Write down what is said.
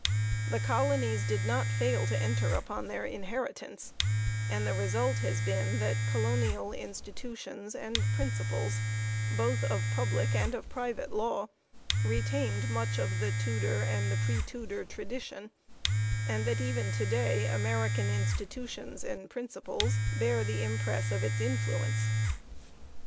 The colonies did not fail to enter upon their inheritance ; and the result has been that colonial institutions and principles, both of public and of private law, retained much of the Tudor and the pre Tudor tradition, and that even to day Ameri can institutions and principles bear the impress of its influence.